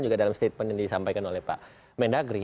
juga dalam statement yang disampaikan oleh pak mendagri